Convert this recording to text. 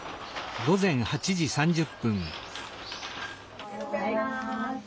おはようございます。